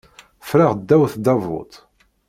Ffreɣ ddaw tdabut.